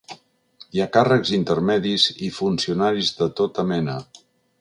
Hi ha càrrecs intermedis i funcionaris de tota mena.